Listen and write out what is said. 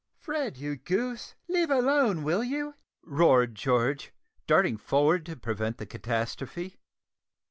"Fred, you goose, leave alone, will you?" roared George, darting forward to prevent the catastrophe.